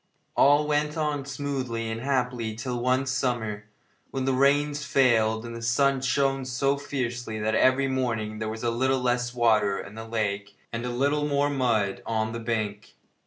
All went on smoothly and happily till one summer, when the rains failed and the sun shone so fiercely that every morning there was a little less water in the lake and a little more mud on the bank.